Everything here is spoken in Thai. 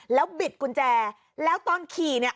แล้วบิดกุญแจแล้วตอนขี่เนี่ย